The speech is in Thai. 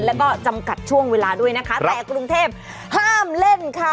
แล้วก็จำกัดช่วงเวลาด้วยนะคะแต่กรุงเทพห้ามเล่นค่ะ